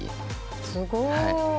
すごい。